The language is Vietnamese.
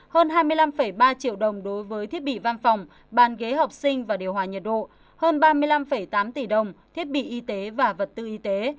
hơn hai mươi năm ba triệu đồng đối với thiết bị văn phòng bàn ghế học sinh và điều hòa nhiệt độ hơn ba mươi năm tám tỷ đồng thiết bị y tế và vật tư y tế